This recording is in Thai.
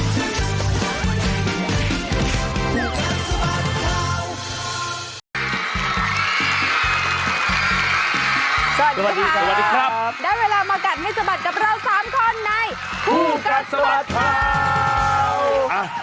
สวัสดีครับได้เวลามากัดไม่สะบัดกับเรา๓คนในผู้กัดสวัสดีครับ